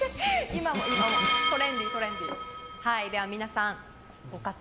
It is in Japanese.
今もトレンディー、トレンディー。